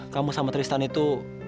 kamu sama tristan itu